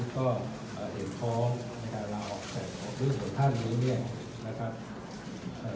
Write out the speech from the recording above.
ก็เห็นพร้อมในการราวออกแสดงของเรื่องของท่านนี้นะครับ